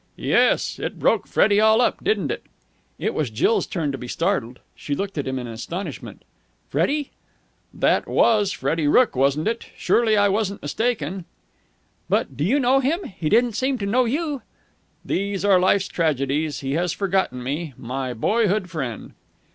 "Yes. It broke Freddie all up, didn't it!" It was Jill's turn to be startled. She looked at him in astonishment. "Freddie?" "That was Freddie Rooke, wasn't it? Surely I wasn't mistaken?" "But do you know him? He didn't seem to know you." "These are life's tragedies He has forgotten me. My boyhood friend!"